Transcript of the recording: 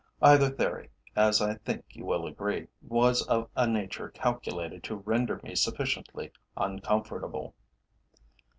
Either theory, as I think you will agree, was of a nature calculated to render me sufficiently uncomfortable.